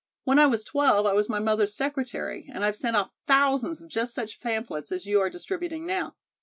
When I was twelve, I was my mother's secretary, and I've sent off thousands of just such pamphlets as you are distributing now.